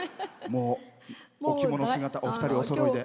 お着物姿お二人、おそろいで。